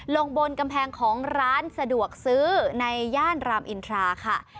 ลงบนกำแพงของร้านสะดวกซื้อในย่านรามอินทราค่ะ